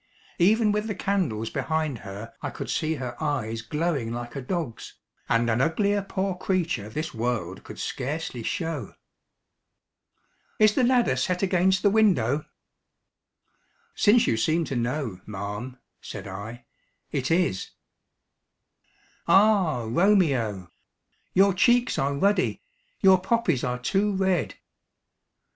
Even with the candles behind her I could see her eyes glowing like a dog's, and an uglier poor creature this world could scarcely show. "Is the ladder set against the window?" "Since you seem to know, ma'am," said I, "it is." "Ah, Romeo! Your cheeks are ruddy your poppies are too red."